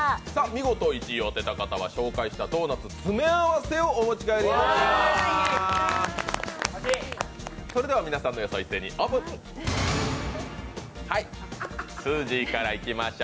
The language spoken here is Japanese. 見事１位を当てた方は紹介したドーナツ詰め合わせをお持ち帰りいただきます。